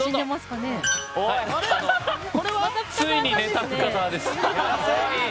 ついに寝た深澤です。